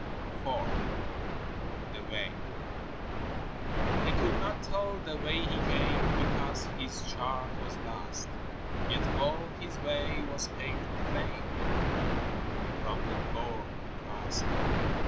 IV The Way He could not tell the way he came, Because his chart was lost: Yet all his way was paved with flame From the bourne he crossed.